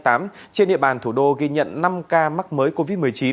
trên địa bàn thủ đô ghi nhận năm ca mắc mới covid một mươi chín